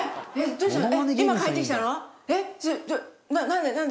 どうしたの？